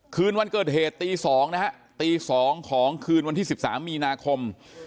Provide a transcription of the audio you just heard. คืนวันเกิดเหตุตี๒นะฮะตี๒ของคืนวันที่๑๓มีนาคม